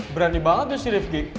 berani banget ya si ripki